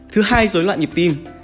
thứ hai dối loạn nhịp tim